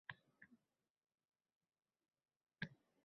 Olomon doim loqayd bo‘lgan, ezilib pachoq bo‘lmaguncha.